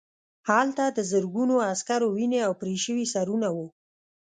هلته د زرګونو عسکرو وینې او پرې شوي سرونه وو